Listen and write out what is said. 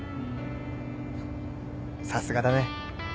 さすがだね